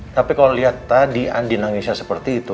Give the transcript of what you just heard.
tapi kalau lihat tadi andi nangisnya seperti itu